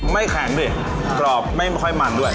ไม่แข็งดิกรอบไม่ค่อยมันด้วย